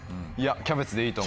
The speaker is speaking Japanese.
キャベツでいいと思う。